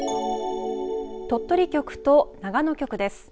鳥取局と長野局です。